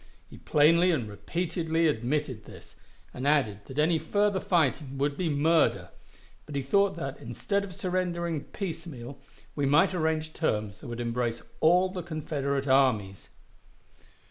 He plainly and repeatedly admitted this, and added that any further fighting would be 'murder'; but he thought that, instead of surrendering piecemeal, we might arrange terms that would embrace all the Confederate armies."